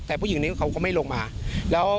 แต่ผู้หญิงนี้เขาก็ไม่ลงมาแล้ว